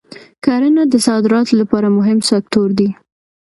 کرنه د صادراتو لپاره مهم سکتور دی.